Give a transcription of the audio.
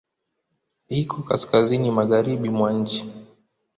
Iko kaskazini magharibi mwa nchi.